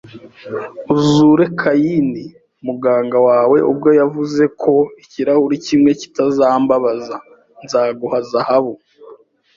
uzure Kayini. Muganga wawe ubwe yavuze ko ikirahuri kimwe kitazambabaza. Nzaguha zahabu